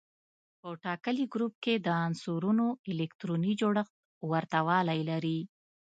په ټاکلي ګروپ کې د عنصرونو الکتروني جوړښت ورته والی لري.